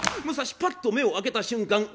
武蔵パッと目を開けた瞬間